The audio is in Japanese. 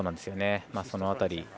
その辺り。